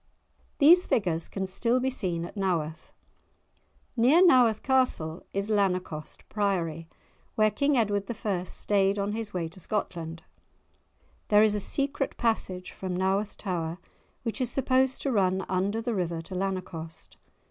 These figures can still be seen at Naworth. Near Naworth Castle is Lanercost Priory, where King Edward I. stayed on his way to Scotland. There is a secret passage from Naworth tower which is supposed to run under the river to Lanercost.